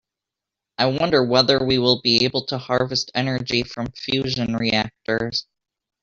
I wonder whether we will be able to harvest energy from fusion reactors.